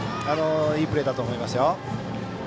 いいプレーだと思いますよ。